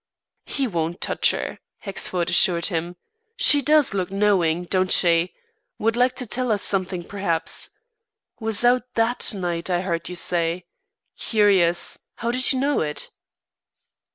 "He won't touch her," Hexford assured him. "She does look knowing, don't she? Would like to tell us something, perhaps. Was out that night, I've heard you say. Curious! How did you know it?"